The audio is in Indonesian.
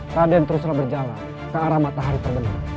raden teruslah berjalan ke arah matahari terbenam